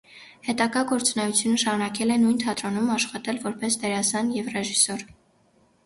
Հետագա գործունեությունը շարունակել է նույն թատրոնում, աշխատել որպես դերասան և ռեժիսոր։